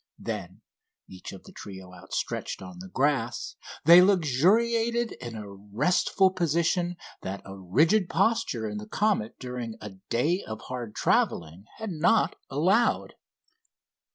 Then, each of the trio outstretched on the grass, they luxuriated in a restful position that a rigid posture in the Comet during a day of hard traveling had not allowed.